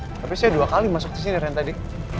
tapi saya dua kali masuk ke sini ren tadi